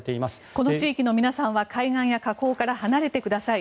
この地域の皆さんは海岸や河口から離れてください。